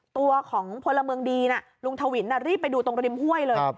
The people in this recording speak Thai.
ตัวของพลเมืองดีน่ะลุงทวินรีบไปดูตรงริมห้วยเลย